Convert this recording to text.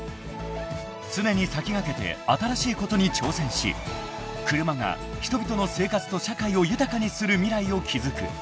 ［常に先駆けて新しいことに挑戦し車が人々の生活と社会を豊かにする未来を築く］